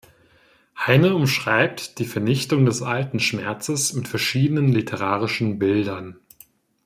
Heine umschreibt die Vernichtung des alten Schmerzes mit verschiedenen literarischen Bildern.